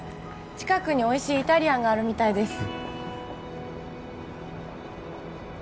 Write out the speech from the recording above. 近くにおいしいイタリアンがあるみたいです